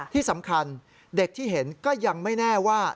ที่สำคัญเด็กที่เห็นก็ยังไม่แน่ว่า